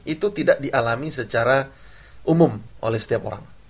itu tidak dialami secara umum oleh setiap orang